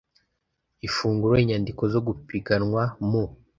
ifungura inyandiko zo gupiganwa mu